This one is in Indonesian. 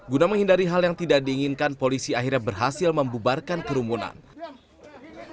guna menghindari hal yang tidak diinginkan polisi akhirnya berhasil membubarkan kerumunan